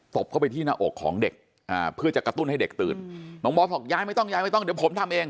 บเข้าไปที่หน้าอกของเด็กอ่าเพื่อจะกระตุ้นให้เด็กตื่นน้องบอสบอกยายไม่ต้องย้ายไม่ต้องเดี๋ยวผมทำเอง